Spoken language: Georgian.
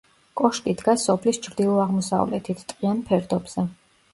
კოშკი დგას სოფლის ჩრდილო-აღმოსავლეთით, ტყიან ფერდობზე.